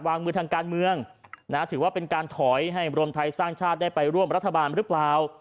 วางมือทางการเมืองถือว่าเป็นการถอยให้รวมไทยสร้างชาติได้ไปร่วมรัฐบาลหรือเปล่า